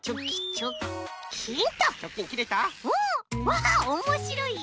わあっおもしろい！